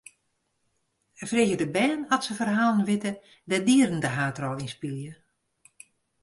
Freegje de bern oft se ferhalen witte dêr't dieren de haadrol yn spylje.